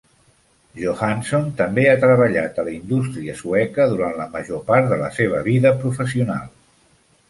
Johansson també ha treballat a la indústria sueca durant la major part de la seva vida professional.